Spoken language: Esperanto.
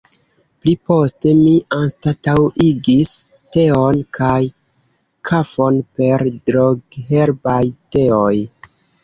Pli poste mi anstataŭigis teon kaj kafon per drogherbaj teoj.